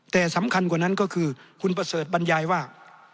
แต่สำคัญกว่านั้นก็คือคุณประเสริฐบรรยายว่า